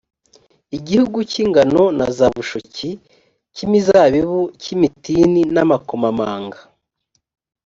igihugu cy’ingano na za bushoki, cy’imizabibu, cy’imitini n’amakomamanga